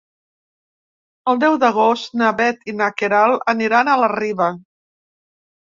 El deu d'agost na Bet i na Queralt aniran a la Riba.